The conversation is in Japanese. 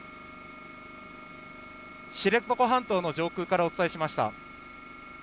知床半島の上空からお伝えしました。